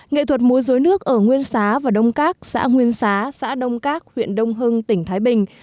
nghệ thuật múa dối nước ở nguyên xá và đông các xã nguyên xá xã đông các huyện đông hưng tỉnh thái bình